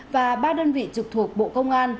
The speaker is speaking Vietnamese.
và ba đơn vị trực thuộc bộ công an